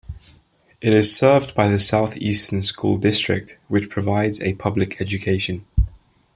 It is served by the South Eastern School District which provides a public education.